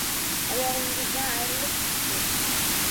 Oyog‘ingizdan ayrilibsiz-ku!